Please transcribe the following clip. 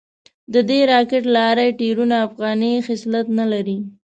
ددغې راکېټ لارۍ ټایرونه افغاني خصلت نه لري.